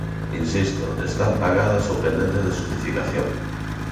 Insisto, están pagadas ou pendentes de xustificación.